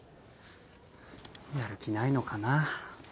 やる気ないのかな。